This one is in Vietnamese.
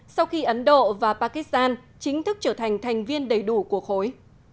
sau khi ấn độ và pakistan chính thức trở thành thành viên đầy đủ của khối